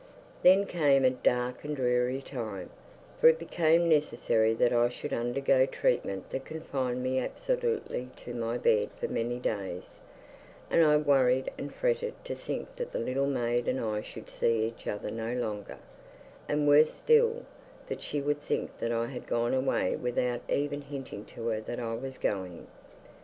Then came a dark and dreary time, for it became necessary that I should undergo treatment that confined me absolutely to my bed for many days, and I worried and fretted to think that the little maid and I should see each other no longer, and worse still, that she would think that I had gone away without even hinting to her that I was going.